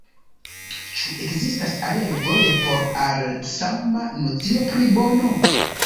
Ĉu ekzistas aliaj vojoj por al la sama nocio pri bono?